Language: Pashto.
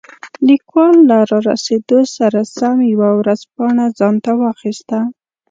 لیکوال له رارسېدو سره سم یوه ورځپاڼه ځانته واخیسته.